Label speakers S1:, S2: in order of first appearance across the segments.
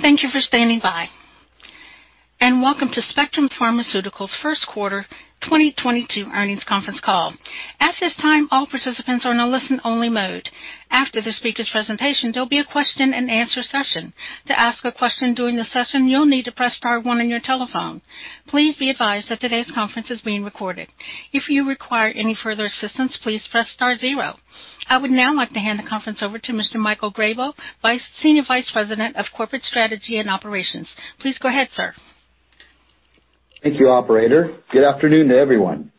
S1: Thank you for standing by and welcome to Spectrum Pharmaceuticals' first quarter 2022 earnings conference call. At this time, all participants are in a listen-only mode. After the speakers' presentation, there'll be a question-and-answer session. To ask a question during the session, you'll need to press star one on your telephone. Please be advised that today's conference is being recorded. If you require any further assistance, please press star zero. I would now like to hand the conference over to Mr. Michael Grabow, Senior Vice President of Corporate Strategy and Operations. Please go ahead, sir.
S2: Thank you, operator. Good afternoon to everyone.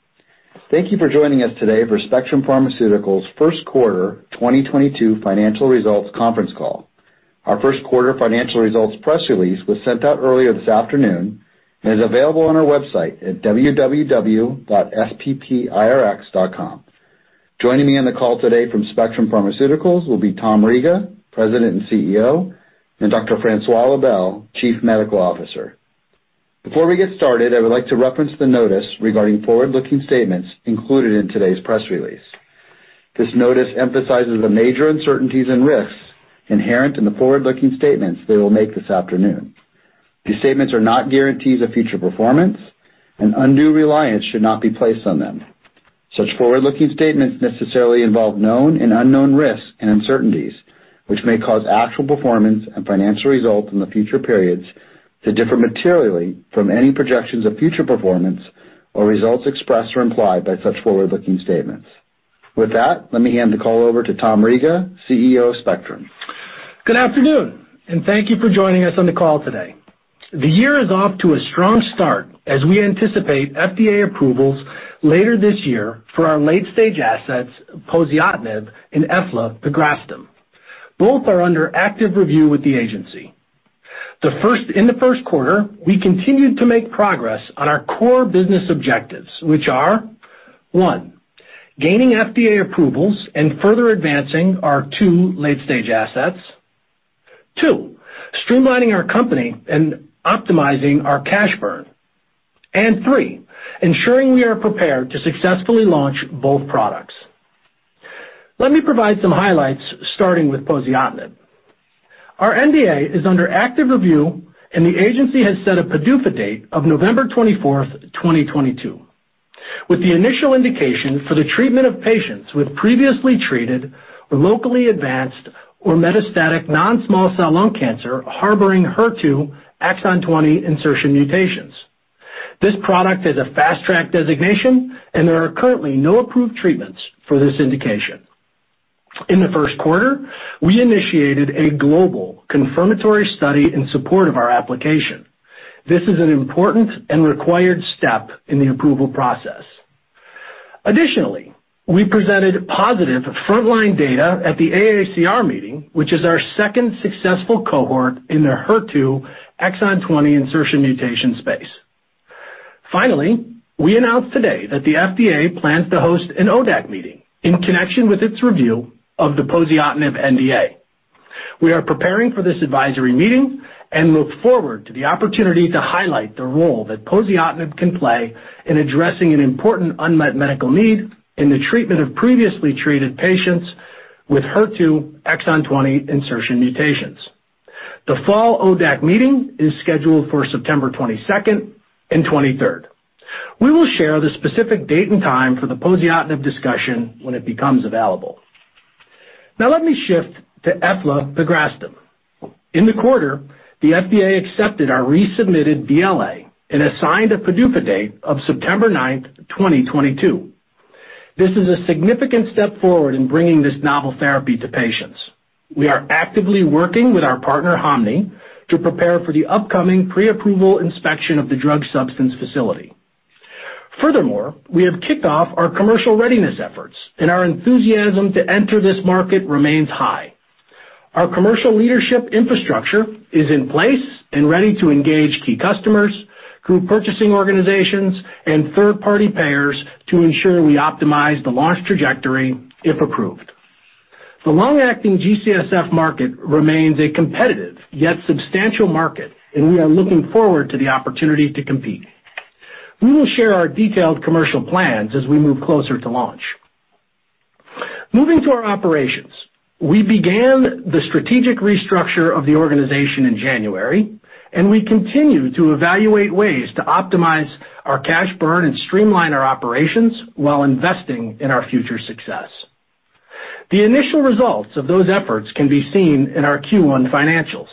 S2: Thank you for joining us today for Spectrum Pharmaceuticals' first quarter 2022 financial results conference call. Our first quarter financial results press release was sent out earlier this afternoon and is available on our website at www.sppirx.com. Joining me on the call today from Spectrum Pharmaceuticals will be Tom Riga, President and CEO, and Dr. Francois Lebel, Chief Medical Officer. Before we get started, I would like to reference the notice regarding forward-looking statements included in today's press release. This notice emphasizes the major uncertainties and risks inherent in the forward-looking statements they will make this afternoon. These statements are not guarantees of future performance, and undue reliance should not be placed on them. Such forward-looking statements necessarily involve known and unknown risks and uncertainties, which may cause actual performance and financial results in the future periods to differ materially from any projections of future performance or results expressed or implied by such forward-looking statements. With that, let me hand the call over to Tom Riga, CEO of Spectrum.
S3: Good afternoon, and thank you for joining us on the call today. The year is off to a strong start as we anticipate FDA approvals later this year for our late-stage assets, poziotinib and eflapegrastim. Both are under active review with the agency. In the first quarter, we continued to make progress on our core business objectives, which are, one, gaining FDA approvals and further advancing our two late-stage assets. Two, streamlining our company and optimizing our cash burn. Three, ensuring we are prepared to successfully launch both products. Let me provide some highlights, starting with poziotinib. Our NDA is under active review, and the agency has set a PDUFA date of November 24, 2022, with the initial indication for the treatment of patients with previously treated, locally advanced or metastatic non-small cell lung cancer harboring HER2 exon 20 insertion mutations. This product is a Fast Track designation, and there are currently no approved treatments for this indication. In the first quarter, we initiated a global confirmatory study in support of our application. This is an important and required step in the approval process. Additionally, we presented positive frontline data at the AACR meeting, which is our second successful cohort in the HER2 exon 20 insertion mutation space. Finally, we announced today that the FDA plans to host an ODAC meeting in connection with its review of the poziotinib NDA. We are preparing for this advisory meeting and look forward to the opportunity to highlight the role that poziotinib can play in addressing an important unmet medical need in the treatment of previously treated patients with HER2 exon 20 insertion mutations. The fall ODAC meeting is scheduled for September 22nd and 23rd. We will share the specific date and time for the poziotinib discussion when it becomes available. Now let me shift to eflapegrastim. In the quarter, the FDA accepted our resubmitted BLA and assigned a PDUFA date of September ninth, 2022. This is a significant step forward in bringing this novel therapy to patients. We are actively working with our partner, Hanmi, to prepare for the upcoming pre-approval inspection of the drug substance facility. Furthermore, we have kicked off our commercial readiness efforts, and our enthusiasm to enter this market remains high. Our commercial leadership infrastructure is in place and ready to engage key customers through purchasing organizations and third-party payers to ensure we optimize the launch trajectory if approved. The long-acting GCSF market remains a competitive yet substantial market, and we are looking forward to the opportunity to compete. We will share our detailed commercial plans as we move closer to launch. Moving to our operations. We began the strategic restructure of the organization in January, and we continue to evaluate ways to optimize our cash burn and streamline our operations while investing in our future success. The initial results of those efforts can be seen in our Q1 financials.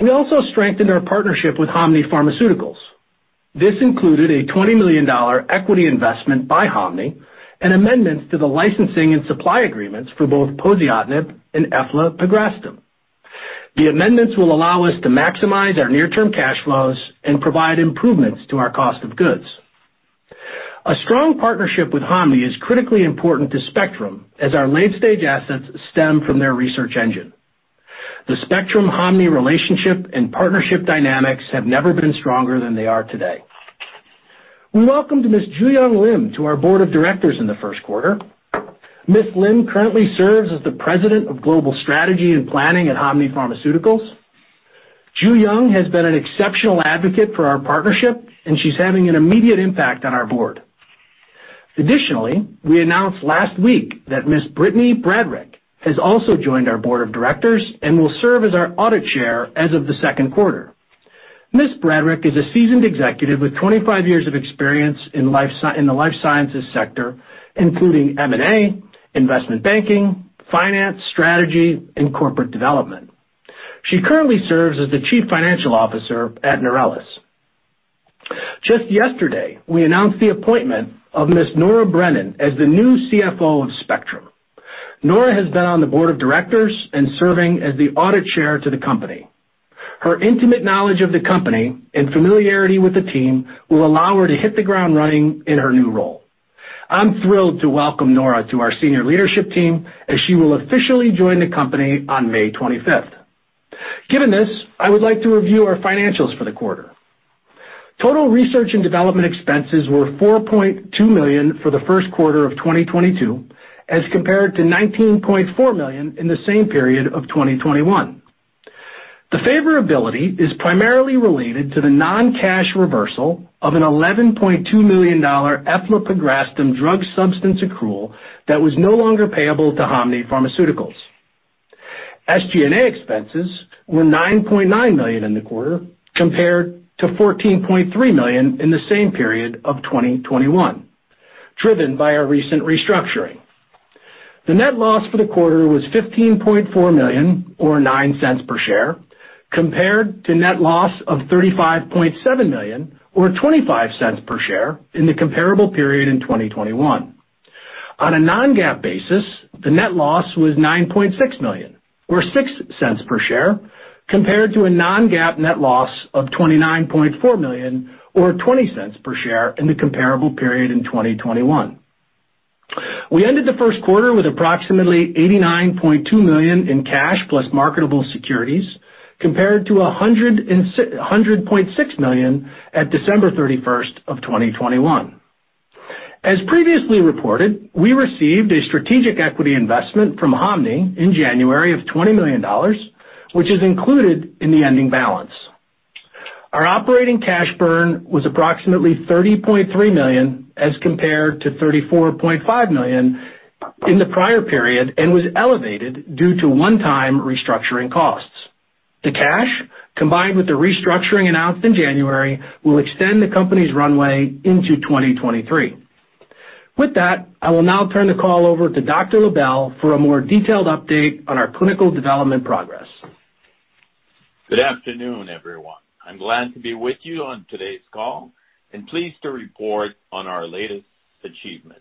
S3: We also strengthened our partnership with Hanmi Pharmaceuticals. This included a $20 million equity investment by Hanmi and amendments to the licensing and supply agreements for both poziotinib and eflapegrastim. The amendments will allow us to maximize our near-term cash flows and provide improvements to our cost of goods. A strong partnership with Hanmi is critically important to Spectrum as our late-stage assets stem from their research engine. The Spectrum-Hanmi relationship and partnership dynamics have never been stronger than they are today. We welcomed Ms. Juhyun Lim to our board of directors in the first quarter. Ms. Lim currently serves as the President of Global Strategy and Planning at Hanmi Pharmaceuticals. Juhyun has been an exceptional advocate for our partnership, and she's having an immediate impact on our board. Additionally, we announced last week that Ms. Brittany Bradrick has also joined our board of directors and will serve as our audit chair as of the second quarter. Ms. Bradrick is a seasoned executive with 25 years of experience in the life sciences sector, including M&A, investment banking, finance, strategy, and corporate development. She currently serves as the Chief Financial Officer at Neurelis. Just yesterday, we announced the appointment of Ms. Nora Brennan as the new CFO of Spectrum. Nora has been on the board of directors and serving as the audit chair to the company. Her intimate knowledge of the company and familiarity with the team will allow her to hit the ground running in her new role. I'm thrilled to welcome Nora to our senior leadership team, as she will officially join the company on May twenty-fifth. Given this, I would like to review our financials for the quarter. Total research and development expenses were $4.2 million for the first quarter of 2022, as compared to $19.4 million in the same period of 2021. The favorability is primarily related to the non-cash reversal of a $11.2 million dollar eflapegrastim drug substance accrual that was no longer payable to Hanmi Pharmaceuticals. SG&A expenses were $9.9 million in the quarter compared to $14.3 million in the same period of 2021, driven by our recent restructuring. The net loss for the quarter was $15.4 million or $0.09 per share, compared to net loss of $35.7 million or $0.25 per share in the comparable period in 2021. On a non-GAAP basis, the net loss was $9.6 million or $0.06 per share, compared to a non-GAAP net loss of $29.4 million or $0.20 per share in the comparable period in 2021. We ended the first quarter with approximately $89.2 million in cash plus marketable securities compared to $100.6 million at December 31, 2021. As previously reported, we received a strategic equity investment from Hanmi in January of $20 million, which is included in the ending balance. Our operating cash burn was approximately $30.3 million as compared to $34.5 million in the prior period and was elevated due to one-time restructuring costs. The cash, combined with the restructuring announced in January, will extend the company's runway into 2023. With that, I will now turn the call over to Dr. Lebel for a more detailed update on our clinical development progress.
S4: Good afternoon, everyone. I'm glad to be with you on today's call and pleased to report on our latest achievements.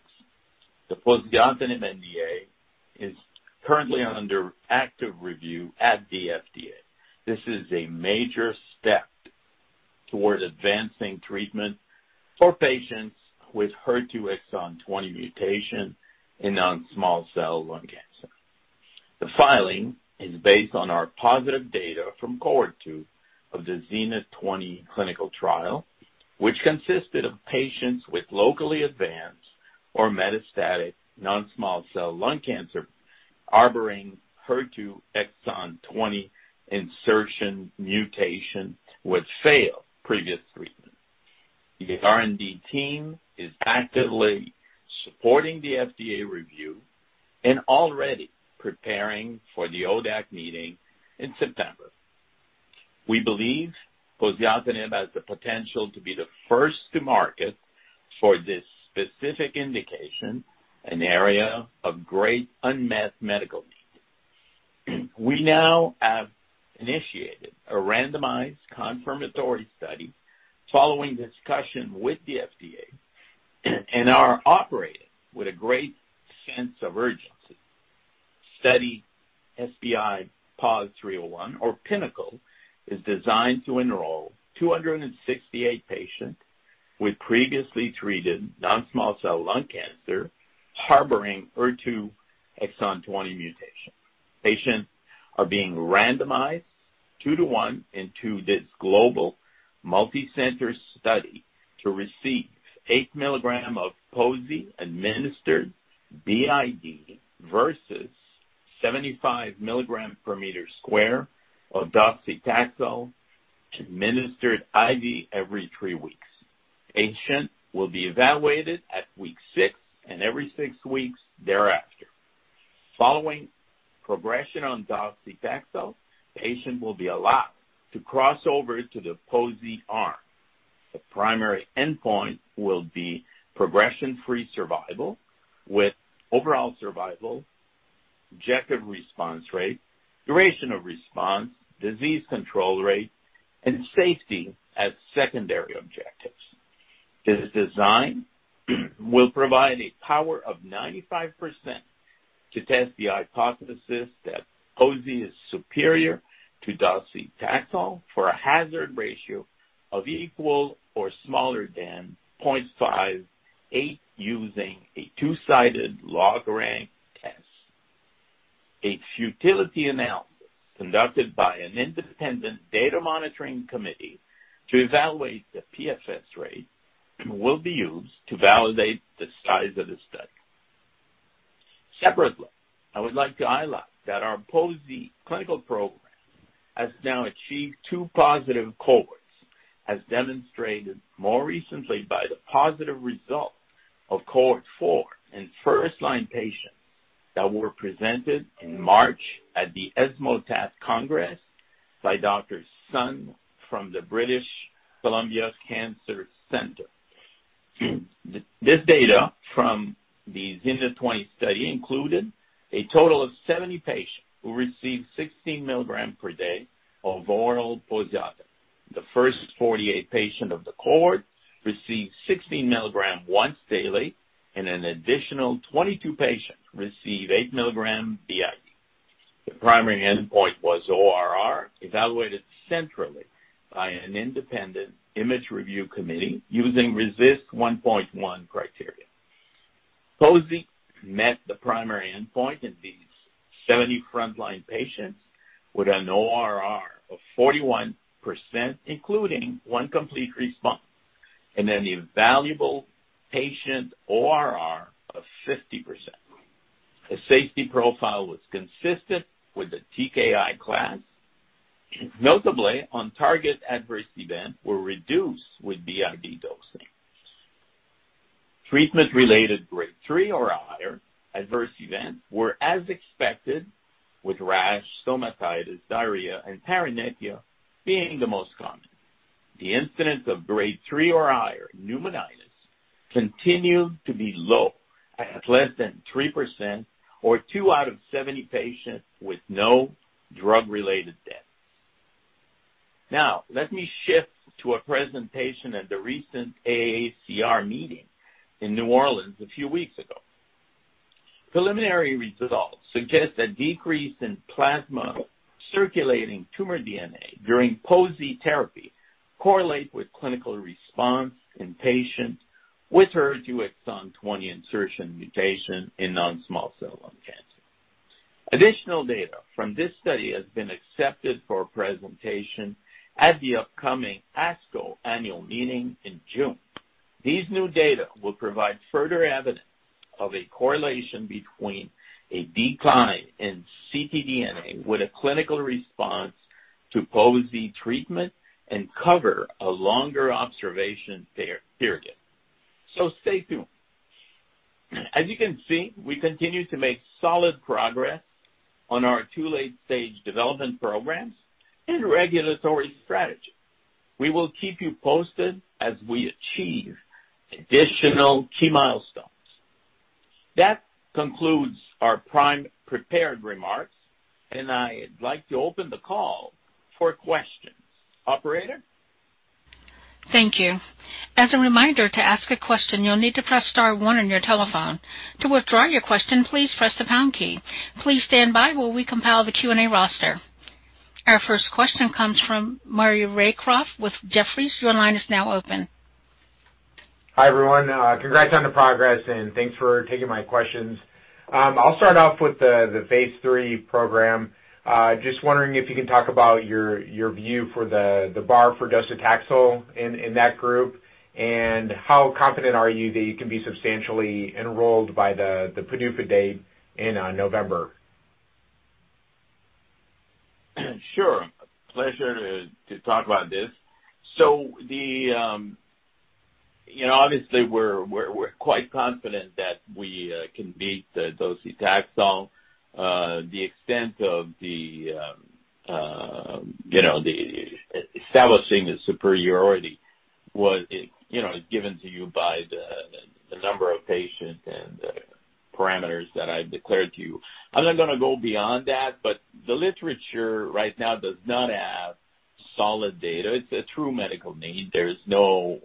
S4: The poziotinib NDA is currently under active review at the FDA. This is a major step toward advancing treatment for patients with HER2 exon 20 mutation in non-small cell lung cancer. The filing is based on our positive data from cohort 2 of the ZENITH20 clinical trial, which consisted of patients with locally advanced or metastatic non-small cell lung cancer harboring HER2 exon 20 insertion mutation with failed previous treatment. The R&D team is actively supporting the FDA review and already preparing for the ODAC meeting in September. We believe poziotinib has the potential to be the first to market for this specific indication, an area of great unmet medical need. We now have initiated a randomized confirmatory study following discussion with the FDA and are operating with a great sense of urgency. Study SPI-301 or PINNACLE is designed to enroll 268 patients with previously treated non-small cell lung cancer harboring HER2 exon 20 mutation. Patients are being randomized 2 to 1 into this global multi-center study to receive 8 milligrams of posi administered BID versus 75 milligrams per square meter of docetaxel administered IV every 3 weeks. Patient will be evaluated at week 6 and every 6 weeks thereafter. Following progression on docetaxel, patient will be allowed to cross over to the posi arm. The primary endpoint will be progression-free survival with overall survival, objective response rate, duration of response, disease control rate, and safety as secondary objectives. This design will provide a power of 95% to test the hypothesis that pozi is superior to docetaxel for a hazard ratio of equal or smaller than 0.58 using a two-sided log-rank test. A futility analysis conducted by an independent data monitoring committee to evaluate the PFS rate will be used to validate the size of the study. Separately, I would like to highlight that our POSEIDON clinical program has now achieved two positive cohorts, as demonstrated more recently by the positive result of cohort 4 in first-line patients that were presented in March at the ESMO TAT Congress by Dr. Sun from BC Cancer. This data from the ZENITH20 study included a total of 70 patients who received 16 milligrams per day of oral poziotinib. The first 48 patients of the cohort received 16 mg once daily, and an additional 22 patients received 8 mg BID. The primary endpoint was ORR, evaluated centrally by an independent image review committee using RECIST 1.1 criteria. POSEIDON met the primary endpoint in these 70 frontline patients with an ORR of 41%, including 1 complete response, and an evaluable patient ORR of 50%. The safety profile was consistent with the TKI class. Notably, on-target adverse events were reduced with BID dosing. Treatment-related grade 3 or higher adverse events were as expected, with rash, stomatitis, diarrhea, and paresthesia being the most common. The incidence of grade 3 or higher pneumonitis continued to be low at less than 3% or 2 out of 70 patients with no drug-related deaths. Now, let me shift to a presentation at the recent AACR meeting in New Orleans a few weeks ago. Preliminary results suggest a decrease in plasma circulating tumor DNA during POSE therapy correlate with clinical response in patients with HER2 exon 20 insertion mutation in non-small cell lung cancer. Additional data from this study has been accepted for presentation at the upcoming ASCO annual meeting in June. These new data will provide further evidence of a correlation between a decline in ctDNA with a clinical response to POSE treatment and cover a longer observation period. Stay tuned. As you can see, we continue to make solid progress on our two late-stage development programs and regulatory strategy. We will keep you posted as we achieve additional key milestones. That concludes our prepared remarks, and I'd like to open the call for questions. Operator?
S1: Thank you. As a reminder, to ask a question, you'll need to press star one on your telephone. To withdraw your question, please press the pound key. Please stand by while we compile the Q&A roster. Our first question comes from Maury Raycroft with Jefferies. Your line is now open.
S5: Hi, everyone. Congrats on the progress, and thanks for taking my questions. I'll start off with the phase III program. Just wondering if you can talk about your view for the bar for docetaxel in that group, and how confident are you that you can be substantially enrolled by the PDUFA date in November?
S4: Sure. Pleasure to talk about this. You know, obviously we're quite confident that we can beat the docetaxel. The extent of, you know, establishing the superiority was, you know, given to you by the number of patients and the parameters that I've declared to you. I'm not gonna go beyond that, but the literature right now does not have solid data. It's a true medical need. There's no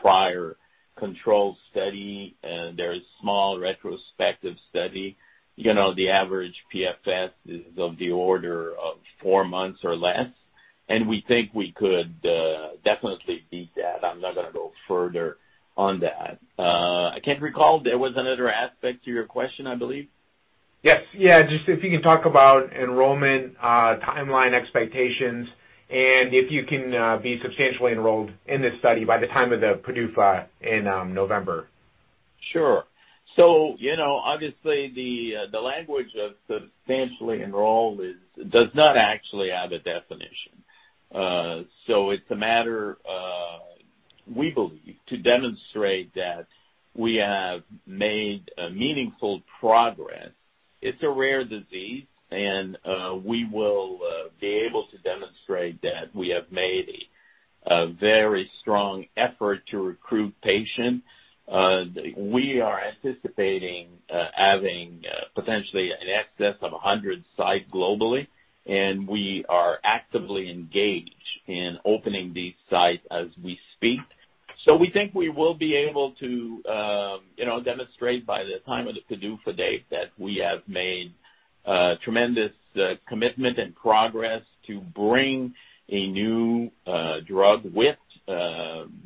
S4: prior controlled study, and there is small retrospective study. You know, the average PFS is of the order of four months or less. We think we could definitely beat that. I'm not gonna go further on that. I can't recall. There was another aspect to your question, I believe.
S5: Yes. Yeah, just if you can talk about enrollment, timeline expectations and if you can, be substantially enrolled in this study by the time of the PDUFA in November.
S4: Sure. You know, obviously the language of substantially enrolled does not actually have a definition. It's a matter of, we believe, to demonstrate that we have made a meaningful progress. It's a rare disease and we will be able to demonstrate that we have made a very strong effort to recruit patients. We are anticipating having potentially in excess of 100 sites globally, and we are actively engaged in opening these sites as we speak. We think we will be able to, you know, demonstrate by the time of the PDUFA date that we have made a tremendous commitment and progress to bring a new drug with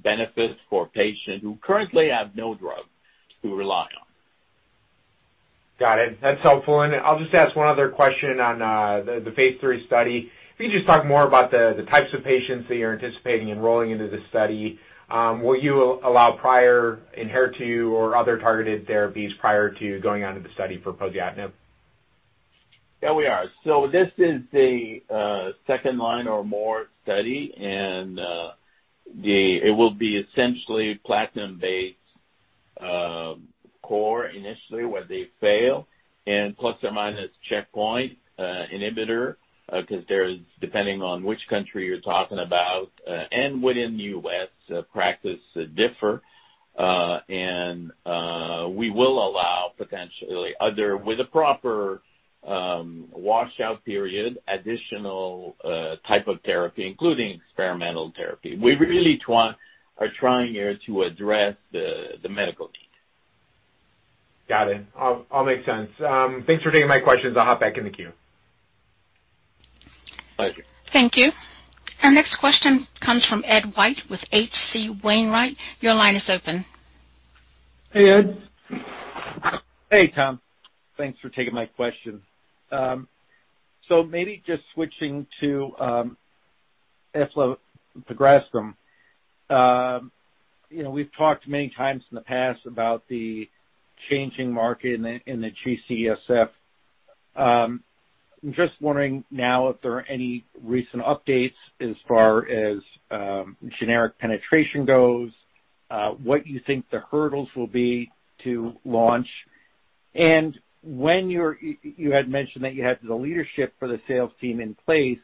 S4: benefits for patients who currently have no drug to rely on.
S5: Got it. That's helpful. I'll just ask one other question on the phase III study. If you just talk more about the types of patients that you're anticipating enrolling into the study, will you allow prior HER2 or other targeted therapies prior to going on to the study for poziotinib?
S4: Yeah, we are. This is the second line or more study, and it will be essentially platinum-based chemo initially where they fail, and plus or minus checkpoint inhibitor 'cause there's depending on which country you're talking about, and within the U.S., practices differ. We will allow potentially other, with a proper washout period, additional type of therapy, including experimental therapy. We really are trying here to address the medical need.
S5: Got it. All make sense. Thanks for taking my questions. I'll hop back in the queue.
S3: Pleasure.
S1: Thank you. Our next question comes from Ed White with H.C. Wainwright. Your line is open.
S3: Hey, Ed.
S6: Hey, Tom. Thanks for taking my question. Maybe just switching to eflapegrastim. You know, we've talked many times in the past about the changing market in the GCSF. I'm just wondering now if there are any recent updates as far as generic penetration goes, what you think the hurdles will be to launch, and when you had mentioned that you had the leadership for the sales team in place,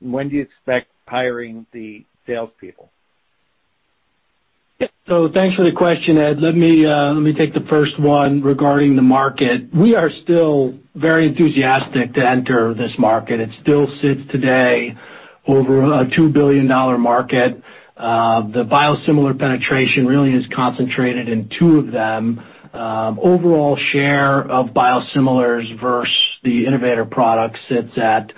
S6: when do you expect hiring the salespeople?
S3: Thanks for the question, Ed. Let me take the first one regarding the market. We are still very enthusiastic to enter this market. It still sits today over a $2 billion market. The biosimilar penetration really is concentrated in two of them. Overall share of biosimilars versus the innovator product sits at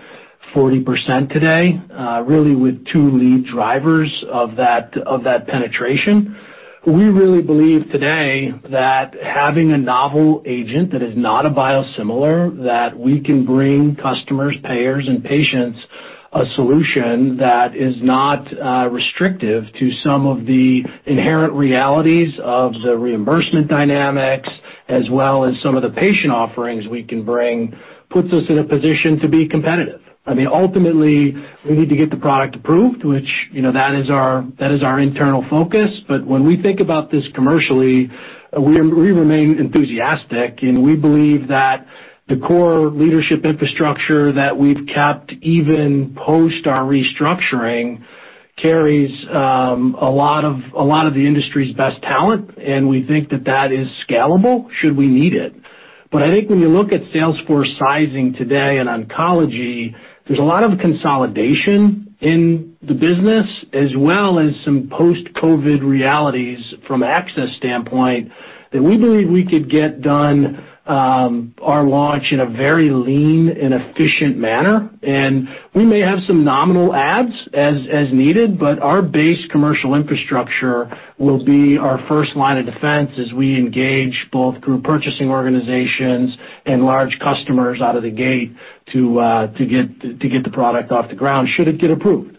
S3: 40% today, really with two lead drivers of that, of that penetration. We really believe today that having a novel agent that is not a biosimilar, that we can bring customers, payers, and patients a solution that is not restrictive to some of the inherent realities of the reimbursement dynamics as well as some of the patient offerings we can bring, puts us in a position to be competitive. I mean, ultimately, we need to get the product approved, which, you know, that is our internal focus. When we think about this commercially, we remain enthusiastic, and we believe that the core leadership infrastructure that we've kept even post our restructuring carries a lot of the industry's best talent, and we think that is scalable should we need it. I think when you look at sales force sizing today in oncology, there's a lot of consolidation in the business as well as some post-COVID realities from access standpoint that we believe we could get done our launch in a very lean and efficient manner. We may have some nominal ads as needed, but our base commercial infrastructure will be our first line of defense as we engage both through purchasing organizations and large customers out of the gate to get the product off the ground should it get approved.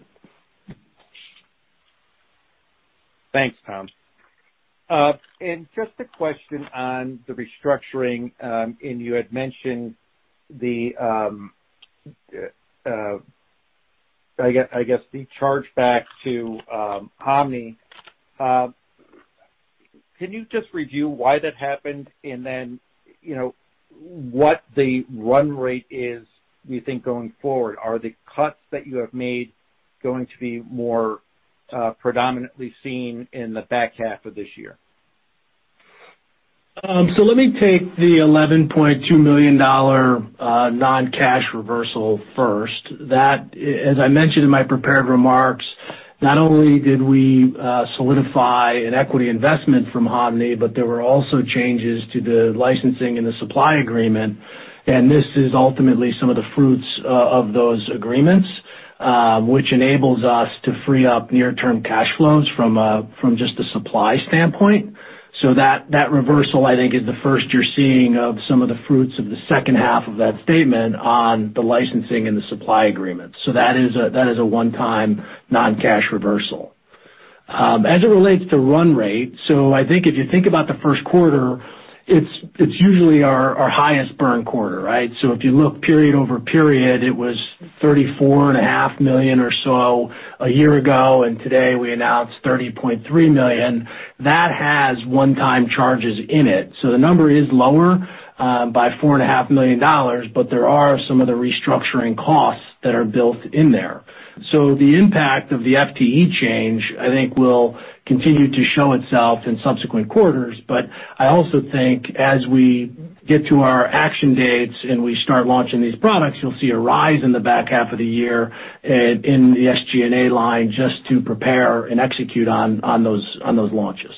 S6: Thanks, Tom. Just a question on the restructuring, and I guess the chargeback to Hanmi. Can you just review why that happened and then, you know, what the run rate is you think going forward? Are the cuts that you have made going to be more predominantly seen in the back half of this year?
S3: Let me take the $11.2 million non-cash reversal first. That, as I mentioned in my prepared remarks, not only did we solidify an equity investment from Hanmi, but there were also changes to the licensing and the supply agreement, and this is ultimately some of the fruits of those agreements, which enables us to free up near-term cash flows from just the supply standpoint. That reversal I think is the first you're seeing of some of the fruits of the second half of that statement on the licensing and the supply agreement. That is a one-time non-cash reversal. As it relates to run rate, I think if you think about the first quarter, it's usually our highest burn quarter, right? If you look period over period, it was $34 and a half million or so a year ago, and today we announced $30.3 million. That has one-time charges in it. The number is lower by $4 and a half million dollars, but there are some of the restructuring costs that are built in there. The impact of the FTE change, I think, will continue to show itself in subsequent quarters. I also think as we get to our action dates and we start launching these products, you'll see a rise in the back half of the year in the SG&A line just to prepare and execute on those launches.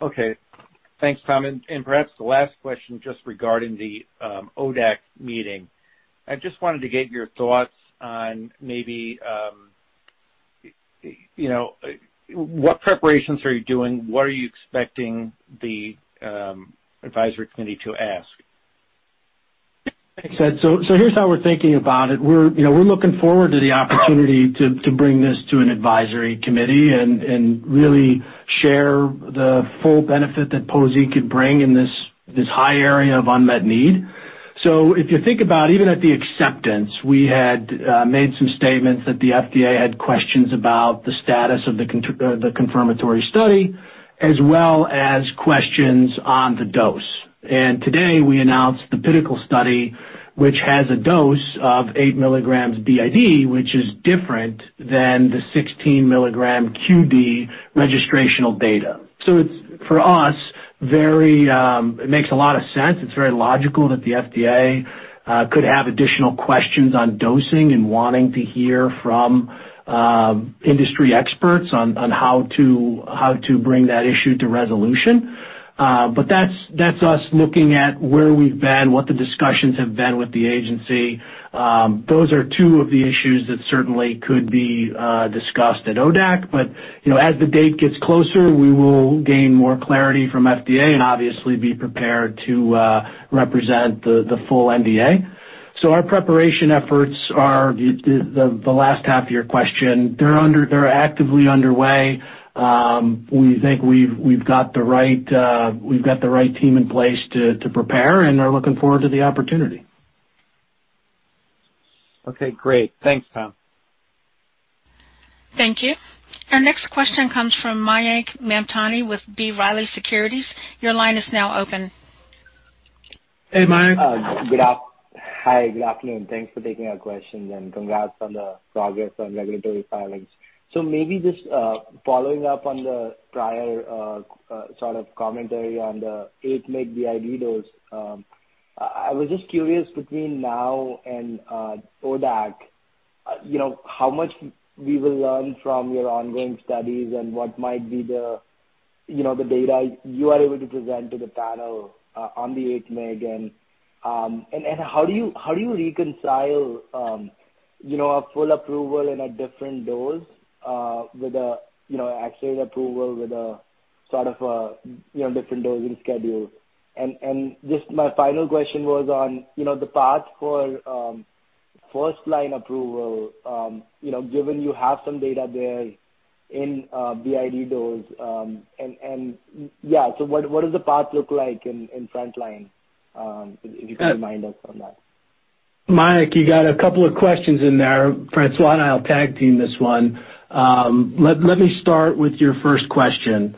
S6: Okay. Thanks, Tom. Perhaps the last question just regarding the ODAC meeting. I just wanted to get your thoughts on maybe you know, what preparations are you doing? What are you expecting the advisory committee to ask?
S3: Thanks, Ed. Here's how we're thinking about it. We're looking forward to the opportunity to bring this to an advisory committee and really share the full benefit that poziotinib could bring in this high area of unmet need. If you think about even at the acceptance, we had made some statements that the FDA had questions about the status of the confirmatory study, as well as questions on the dose. Today we announced the pivotal study, which has a dose of 8 mg BID, which is different than the 16 mg QD registrational data. It's, for us, very. It makes a lot of sense. It's very logical that the FDA could have additional questions on dosing and wanting to hear from industry experts on how to bring that issue to resolution. That's us looking at where we've been, what the discussions have been with the agency. Those are two of the issues that certainly could be discussed at ODAC. You know, as the date gets closer, we will gain more clarity from FDA and obviously be prepared to represent the full NDA. Our preparation efforts are the last half of your question. They're actively underway. We think we've got the right team in place to prepare and are looking forward to the opportunity.
S6: Okay, great. Thanks, Tom.
S1: Thank you. Our next question comes from Mayank Mamtani with B. Riley Securities. Your line is now open.
S3: Hey, Mayank.
S7: Hi, good afternoon. Thanks for taking our questions and congrats on the progress on regulatory filings. Maybe just following up on the prior sort of commentary on the 8 mg BID dose. I was just curious between now and ODAC, you know, how much we will learn from your ongoing studies and what might be the, you know, the data you are able to present to the panel on the 8 mg. And how do you reconcile, you know, a full approval in a different dose with a, you know, accelerated approval with a sort of a, you know, different dosing schedule.. Just my final question was on, you know, the path for first-line approval, you know, given you have some data there in BID dose, and yeah. What does the path look like in frontline? If you can remind us on that.
S3: Mayank, you got a couple of questions in there. Francois and I will tag team this one. Let me start with your first question.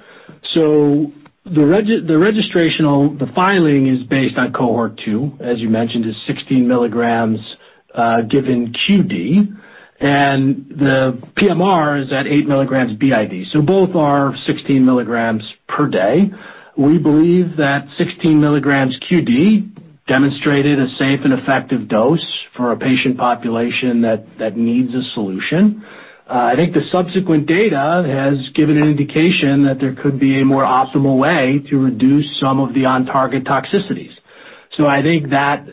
S3: The registrational filing is based on cohort two, as you mentioned, 16 mg given QD, and the PMR is at eight milligrams BID. Both are 16 mg per day. We believe that 16 mg QD demonstrated a safe and effective dose for a patient population that needs a solution. I think the subsequent data has given an indication that there could be a more optimal way to reduce some of the on-target toxicities. I think that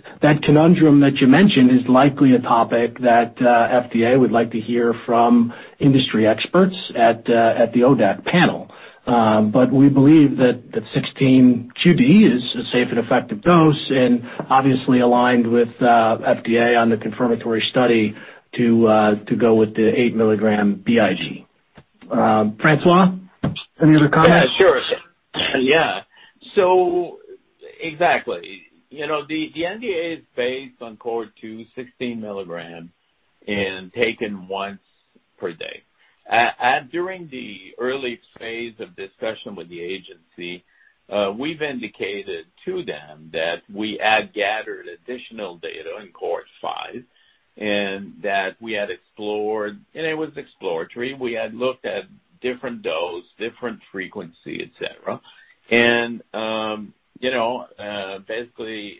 S3: conundrum that you mentioned is likely a topic that FDA would like to hear from industry experts at the ODAC panel. We believe that the 16 QD is a safe and effective dose and obviously aligned with FDA on the confirmatory study to go with the 8 mg BID. Francois, any other comments?
S4: Yeah, sure. Yeah. Exactly. You know the NDA is based on cohort two, 16 mg and taken once per day. During the early phase of discussion with the agency, we've indicated to them that we had gathered additional data in cohort five and that we had explored, and it was exploratory. We had looked at different dose, different frequency, et cetera. You know, basically,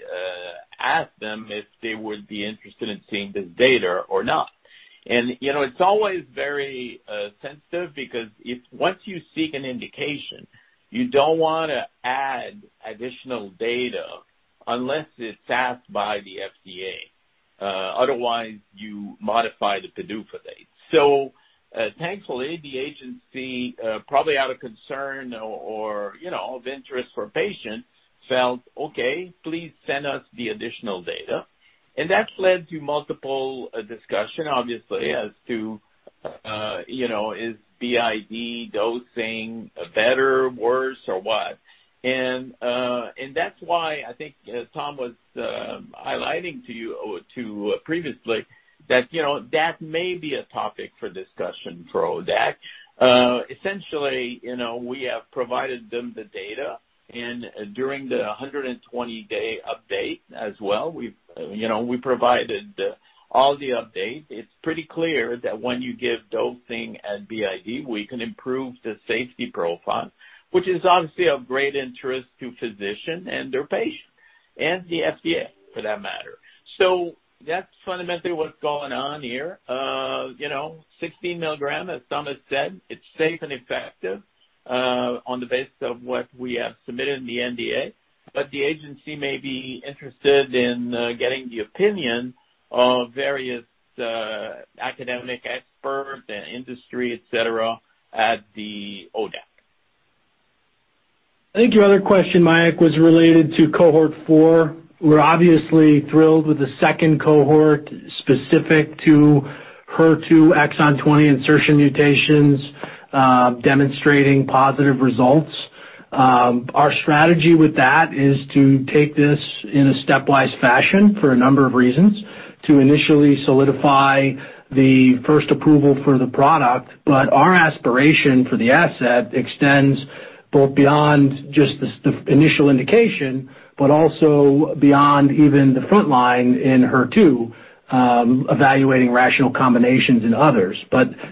S4: asked them if they would be interested in seeing this data or not. You know, it's always very sensitive because if once you seek an indication you don't wanna add additional data unless it's asked by the FDA, otherwise you modify the PDUFA date. Thankfully, the agency probably out of concern or, you know, of interest for patients, felt, "Okay, please send us the additional data." That's led to multiple discussion obviously as to, you know, is BID dosing better, worse or what? And that's why I think Tom was highlighting to you previously that, you know, that may be a topic for discussion for ODAC. Essentially, you know, we have provided them the data, and during the 120-day update as well, we've, you know, we provided all the updates. It's pretty clear that when you give dosing at BID, we can improve the safety profile, which is obviously of great interest to physician and their patient and the FDA for that matter. That's fundamentally what's going on here. You know, 16 mg as Tom has said, it's safe and effective, on the basis of what we have submitted in the NDA. The agency may be interested in getting the opinion of various academic experts and industry et cetera, at the ODAC.
S3: I think your other question, Mayank, was related to cohort four. We're obviously thrilled with the second cohort specific to HER2 exon 20 insertion mutations, demonstrating positive results. Our strategy with that is to take this in a stepwise fashion for a number of reasons, to initially solidify the first approval for the product. Our aspiration for the asset extends both beyond just the initial indication, but also beyond even the front line in HER2, evaluating rational combinations in others.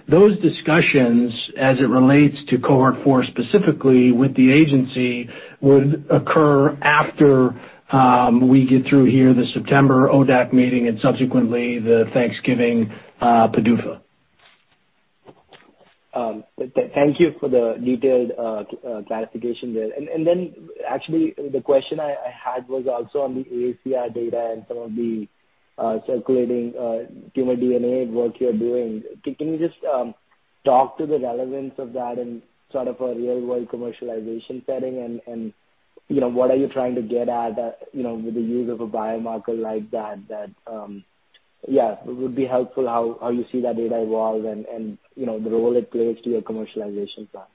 S3: Those discussions, as it relates to cohort four specifically with the agency, would occur after we get through here the September ODAC meeting and subsequently the Thanksgiving PDUFA.
S7: Thank you for the detailed clarification there. Actually, the question I had was also on the AACR data and some of the circulating tumor DNA work you're doing. Can you just talk to the relevance of that in sort of a real-world commercialization setting? You know, what are you trying to get at, you know, with the use of a biomarker like that. It would be helpful how you see that data evolve and, you know, the role it plays to your commercialization plan.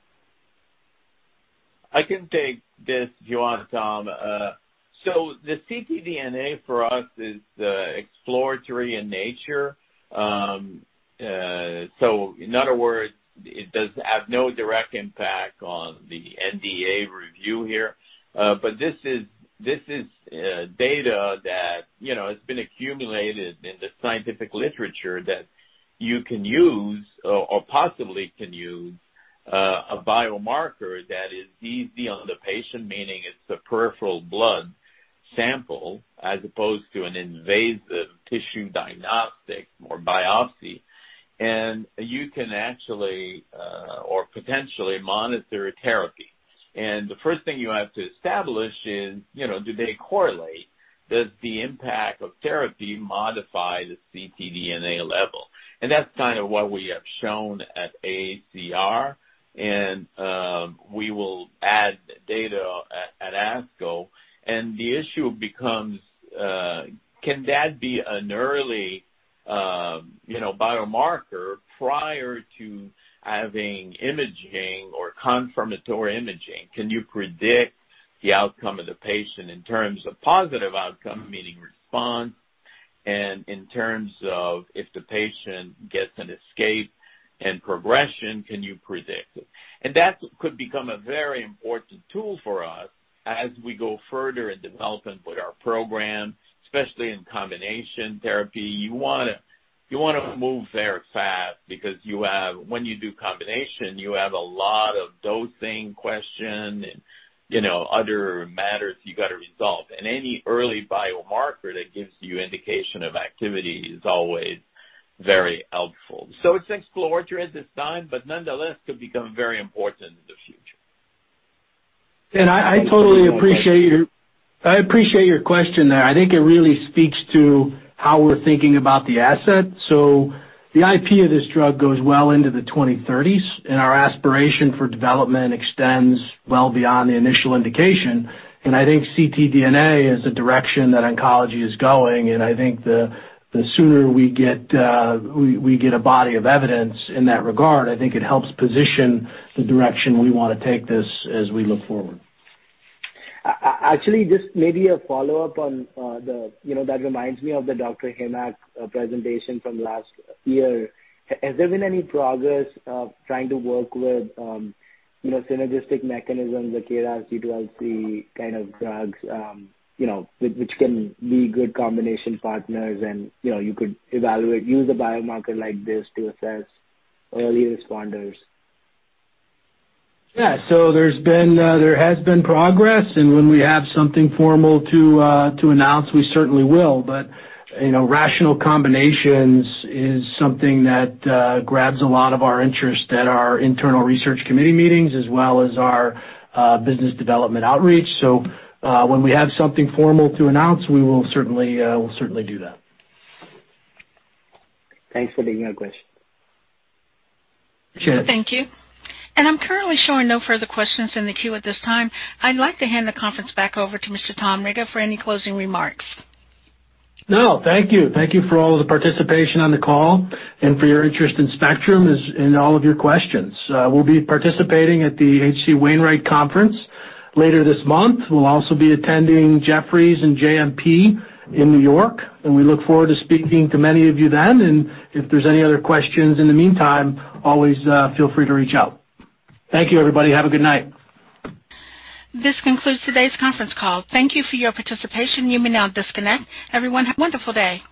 S4: I can take this, Johann Tom. So the ctDNA for us is exploratory in nature. So in other words, it does have no direct impact on the NDA review here. But this is data that, you know, has been accumulated in the scientific literature that you can use or possibly can use a biomarker that is easy on the patient, meaning it's a peripheral blood sample as opposed to an invasive tissue diagnostic or biopsy. You can actually or potentially monitor a therapy. The first thing you have to establish is, you know, do they correlate? Does the impact of therapy modify the ctDNA level? That's kind of what we have shown at AACR. We will add data at ASCO. The issue becomes, can that be an early, you know, biomarker prior to having imaging or confirmatory imaging? Can you predict the outcome of the patient in terms of positive outcome, meaning response? In terms of if the patient gets an escape and progression, can you predict it? That could become a very important tool for us as we go further in development with our program, especially in combination therapy. You wanna move there fast because when you do combination, you have a lot of dosing question and, you know, other matters you gotta resolve. Any early biomarker that gives you indication of activity is always very helpful. It's exploratory at this time, but nonetheless could become very important in the future.
S3: I totally appreciate your question there. I think it really speaks to how we're thinking about the asset. The IP of this drug goes well into the 2030s, and our aspiration for development extends well beyond the initial indication. I think ctDNA is a direction that oncology is going. I think the sooner we get a body of evidence in that regard, I think it helps position the direction we wanna take this as we look forward.
S7: Actually, just maybe a follow-up on. You know, that reminds me of the Dr. Heymach presentation from last year. Has there been any progress of trying to work with, you know, synergistic mechanisms like KRAS G12C kind of drugs, you know, which can be good combination partners and, you know, you could evaluate, use a biomarker like this to assess early responders?
S3: Yeah. There's been progress, and when we have something formal to announce, we certainly will. You know, rational combinations is something that grabs a lot of our interest at our internal research committee meetings as well as our business development outreach. When we have something formal to announce, we'll certainly do that.
S7: Thanks for taking that question.
S3: Sure.
S1: Thank you. I'm currently showing no further questions in the queue at this time. I'd like to hand the conference back over to Mr. Tom Riga for any closing remarks.
S3: No, thank you. Thank you for all of the participation on the call and for your interest in Spectrum and answering all of your questions. We'll be participating at the H.C. Wainwright Conference later this month. We'll also be attending Jefferies and JMP in New York, and we look forward to speaking to many of you then. If there's any other questions in the meantime, always, feel free to reach out. Thank you, everybody. Have a good night.
S1: This concludes today's conference call. Thank you for your participation. You may now disconnect. Everyone, have a wonderful day.